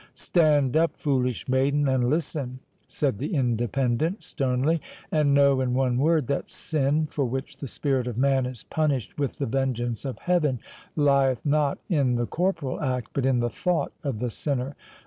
"Stand up, foolish maiden, and listen," said the Independent, sternly; "and know, in one word, that sin, for which the spirit of man is punished with the vengeance of Heaven, lieth not in the corporal act, but in the thought of the sinner.